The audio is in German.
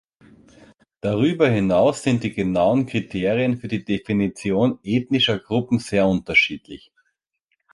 Darüber hinaus sind die genauen Kriterien für die Definition ethnischer Gruppen sehr unterschiedlich.